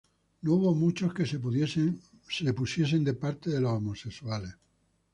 No hubo muchos que se pudiesen de parte de los homosexuales.